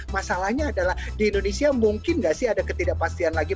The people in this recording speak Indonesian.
masalahnya adalah di indonesia mungkin nggak sih ada ketidakpastian lagi